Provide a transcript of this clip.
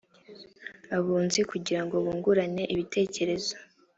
abunzi kugira ngo bungurane ibitekerezo